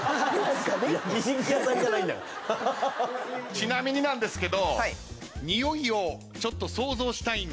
ちなみになんですけど。